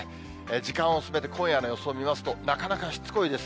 時間を進めて今夜の予想を見ますと、なかなかしつこいです。